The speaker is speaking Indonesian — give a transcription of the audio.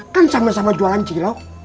kan sama sama jualan cilok